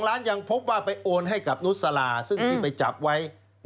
ล้านยังพบว่าไปโอนให้กับนุษลาซึ่งที่ไปจับไว้